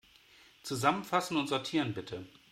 Zusammenfassen und sortieren, bitte.